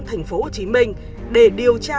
thành phố hồ chí minh để điều tra